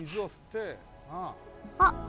あっ。